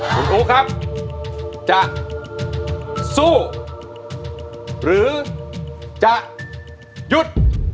คุณอู๋ครับจะสู้หรือจะหยุด